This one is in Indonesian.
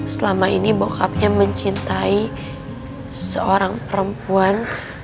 selama ini bokapnya mencintai seorang perempuan